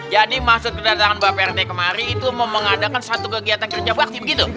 jadi maksud kedatangan bapak rt kemarin itu mau mengadakan satu kegiatan kerja bakti begitu